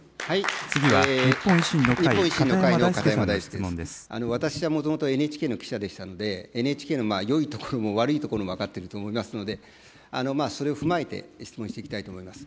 次は日本維新の会、私はもともとＮＨＫの記者でしたので、ＮＨＫのよいところも悪いところも分かっていると思いますので、それを踏まえて質問していきたいと思います。